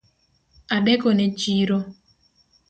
Adekone chiro